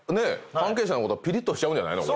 関係者の方ぴりっとしちゃうんじゃないの？